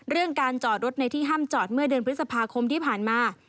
เรื่องการจอดรถในที่ห้ามจอดเมื่อเดือนพฤษภาคมที่ผ่านมา